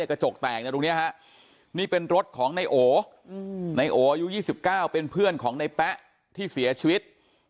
กระจกแตกตรงนี้ฮะนี่เป็นรถของนายโอในโออายุ๒๙เป็นเพื่อนของในแป๊ะที่เสียชีวิต